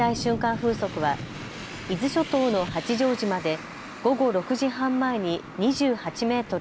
風速は伊豆諸島の八丈島で午後６時半前に２８メートル